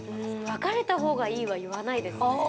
別れたほうがいいは言わないですね。